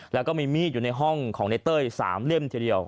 แล้วก็มีมีดอยู่ในห้องของในเต้ย๓เล่มทีเดียว